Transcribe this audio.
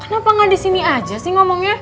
kenapa gak disini aja sih ngomongnya